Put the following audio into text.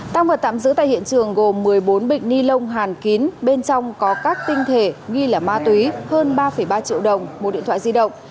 tăng vật tạm giữ tại hiện trường gồm một mươi bốn bịch ni lông hàn kín bên trong có các tinh thể nghi là ma túy hơn ba ba triệu đồng một điện thoại di động